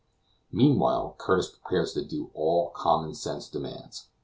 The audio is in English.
Meanwhile Curtis prepares to do all that common sense demands.